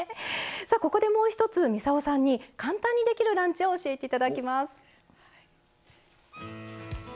ここで、もう一つ、操さんに簡単にできるランチを教えていただきます。